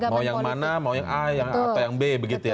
mau yang mana mau yang a atau yang b begitu ya